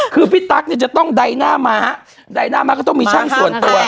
คือพี่ตั๊กเนี่ยจะต้องใดหน้าม้าใดหน้าม้าก็ต้องมีช่างส่วนตัว